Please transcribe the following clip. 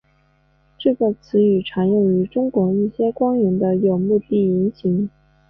这个词语常用于中国一些官员的有目的言行。